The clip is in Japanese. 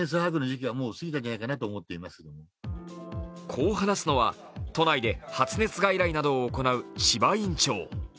こう話すのは、都内で発熱外来などを行う千葉院長。